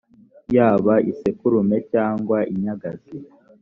yaba isekurume cyangwa inyagazi